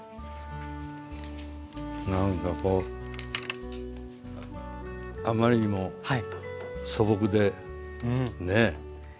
なんかこうあまりにも素朴でねえ？